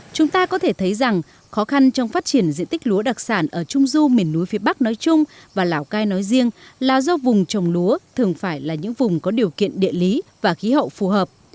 chúng ta có thể thấy rằng khó khăn trong phát triển diện tích lúa đặc sản ở trung du miền núi phía bắc nói chung và lào cai nói riêng là do vùng trồng lúa thường phải là những vùng có điều kiện địa lý và khí hậu phù hợp